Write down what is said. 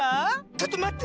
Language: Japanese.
ちょっとまって。